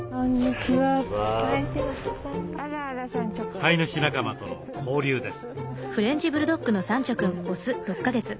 飼い主仲間との交流です。